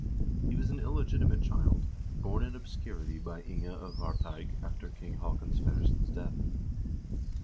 He was an illegitimate child, born in obscurity by Inga of Varteig after King Haakon Sverresson's death.